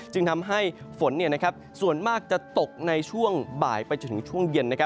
จึงทำให้ฝนส่วนมากจะตกในช่วงบ่ายไปจนถึงช่วงเย็น